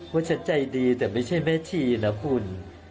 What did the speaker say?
ฉันใจดีแต่ไม่ใช่แม่ชีนะคุณ